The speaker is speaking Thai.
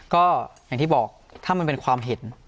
ก็อย่างที่บอกถ้ามันเป็นความเห็น